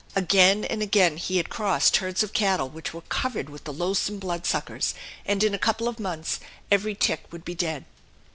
Again and again he had crossed herds of cattle which were covered with the loathsome bloodsuckers; and in a couple of months every tick would be dead.